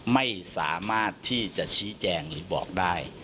ไม่สามารถที่จะชี้แจงหรือบอกได้